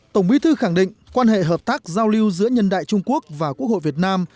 tổng bí thư khẳng định quan hệ hợp tác giao lưu giữa nhân đại trung quốc và quốc hội việt nam